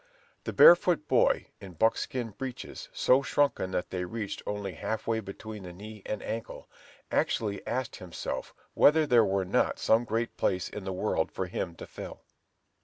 The barefoot boy, in buckskin breeches so shrunken that they reached only half way between the knee and ankle, actually asked himself whether there were not some great place in the world for him to fill.